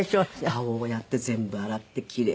顔をやって全部洗って奇麗にして。